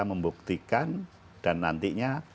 membuktikan dan nantinya